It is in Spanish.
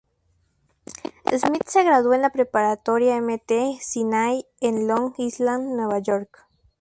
Smit se graduó de la Preparatoria Mt. Sinai en Long Island Nueva York.